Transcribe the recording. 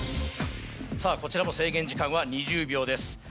さぁこちらの制限時間は２０秒です。